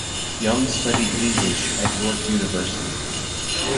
Young studied English at York University.